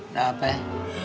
udah apa ya